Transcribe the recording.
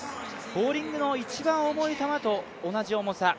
ボウリングの一番重い球と同じ重さ。